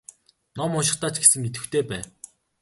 Ном уншихдаа ч гэсэн идэвхтэй бай.